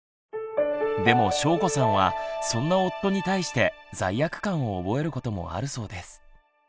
でも翔子さんはそんな夫に対して罪悪感を覚えることもあるそうです。